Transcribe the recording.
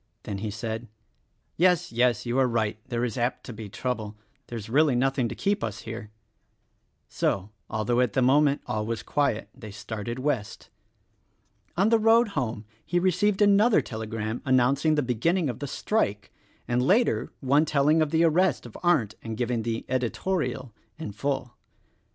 Then he said, "Yes, yes, you are right — there is apt to be trouble. There is really nothing to keep us here." So, although at the moment all was quiet, they started West. On the road home he received another telegram announcing the beginning of the strike, and later one telling of the arrest of Arndt and giving the "editorial" in full.